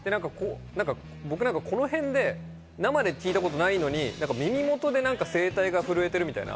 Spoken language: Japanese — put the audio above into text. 僕なんかこの辺で生で聴いたことないのに、耳元で声帯が震えてるみたいな。